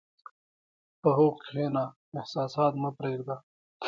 په هوښ کښېنه، احساسات مه پرېږده.